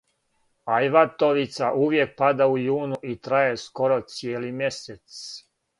Ајватовица увијек пада у јуну и траје скоро цијели мјесец.